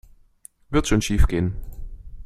Wird schon schiefgehen.